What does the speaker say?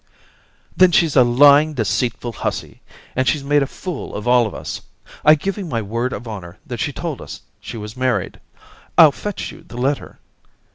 *Then she's a lying, deceitful hussy, and she's made a fool of all of us. I give you my word of honour that she told us she was married; I'll fetch you the letter.'